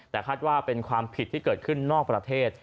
แต่คาดว่าเป็นความผิดที่เกิดขึ้นนอกประเทศ